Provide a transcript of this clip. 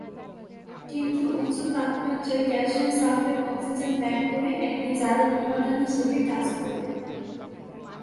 কিন্তু উচ্চ তাপমাত্রায় ক্যালসিয়াম সালফেট অক্সিজেন ত্যাগ করে একটি জারক উপাদান হিসাবে কাজ করবে।